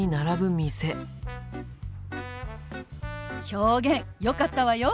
表現よかったわよ！